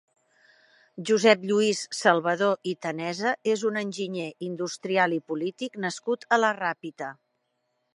Josep Lluís Salvadó i Tenesa és un enginyer industrial i polític nascut a la Ràpita.